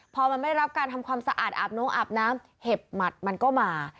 พอมันไม่ได้รับการทำความสะอาดอาบน้องอาบน้ำเห็บหมัดมันก็มา